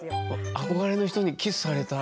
憧れの人にキスされた。